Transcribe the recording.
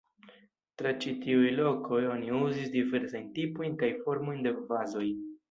Tra ĉi tiuj lokoj oni uzis diversajn tipojn kaj formojn de vazoj.